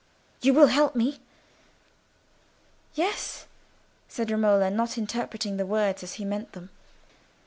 "You will help me?" "Yes," said Romola, not interpreting the words as he meant them.